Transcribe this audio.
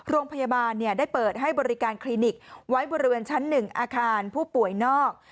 โรงพยาบาลได้เปิดให้บริการคลินิกไว้บริเวณชั้น๑อาคารผู้ป่วยนอก